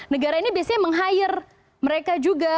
negara ini biasanya meng hire mereka juga